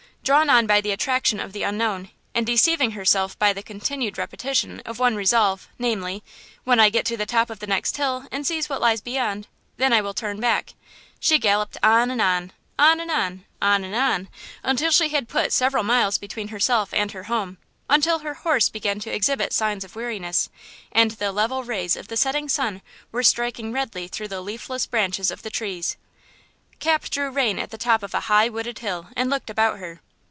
Drawn on by the attraction of the unknown, and deceiving herself by the continued repetition of one resolve, namely–"When I get to the top of the next hill, and see what lies beyond, then I will turn back"–she galloped on and on, on and on, on and on, until she had put several miles between herself and her home; until her horse began to exhibit signs of weariness, and the level rays of the setting sun were striking redly through the leafless branches of the trees. Cap drew rein at the top of a high, wooded hill and looked about her.